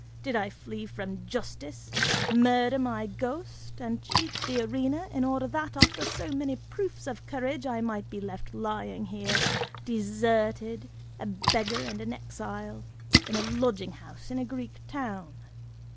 Did I flee from justice, murder my ghost, and cheat the arena, in order that, after so many proofs of courage, I might be left lying here deserted, a beggar and an exile, in a lodging house in a Greek town?